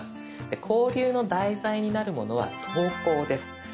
で交流の題材になるものは投稿です。